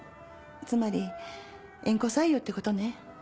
つまり縁故採用ってことね。